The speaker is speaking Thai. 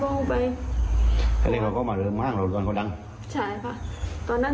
เพราะเรียงเขาก็มาเริ่มมาห้างเราตอนเขาดัง